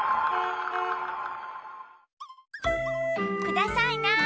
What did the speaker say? くださいな。